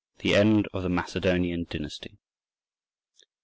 THE END OF THE MACEDONIAN DYNASTY.